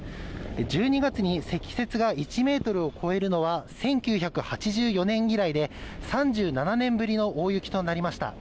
１２月に積雪が１メートルを超えるのは１９８４年以来で３７年ぶりの大雪となりました